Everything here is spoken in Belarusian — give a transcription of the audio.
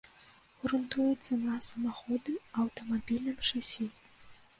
Грунтуецца на самаходным аўтамабільным шасі.